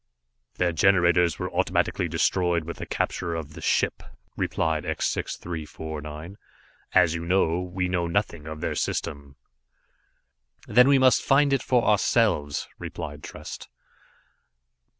"Their generators were automatically destroyed with the capture of the ship," replied X 6349, "as you know. We know nothing of their system." "Then we must find it for ourselves," replied Trest.